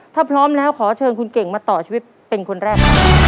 ถ้าพร้อมแล้วขอเชิญคุณเก่งมาต่อชีวิตเป็นคนแรก